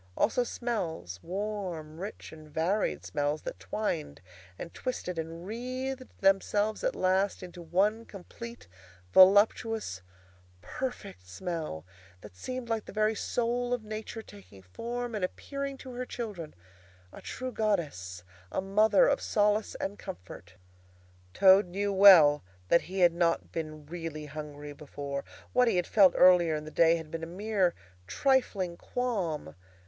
Also smells—warm, rich, and varied smells—that twined and twisted and wreathed themselves at last into one complete, voluptuous, perfect smell that seemed like the very soul of Nature taking form and appearing to her children, a true Goddess, a mother of solace and comfort. Toad now knew well that he had not been really hungry before. What he had felt earlier in the day had been a mere trifling qualm.